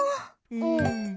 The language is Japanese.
うん。